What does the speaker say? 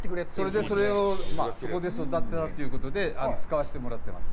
それでそれを、そこで育てたということで使わせてもらってます。